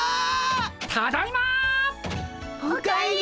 ただいま！お帰り！